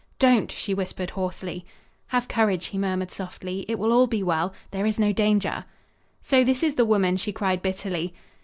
"Don't!" she whispered hoarsely. "Have courage," he murmured softly. "It will all be well. There is no danger." "So this is the woman!" she cried bitterly.